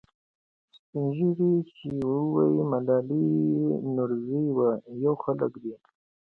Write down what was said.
سپین ږیري چې وایي ملالۍ نورزۍ وه، پوه خلک دي.